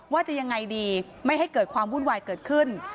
ว่าจะยังไงดีไม่ให้เกิดความวุ่นวายเกิดขึ้น